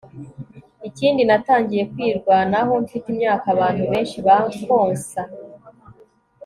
ikindi. natangiye kwirwanaho mfite imyaka abantu benshi bakonsa